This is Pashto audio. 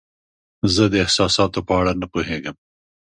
زه د احساساتو په اړه نه پوهیږم.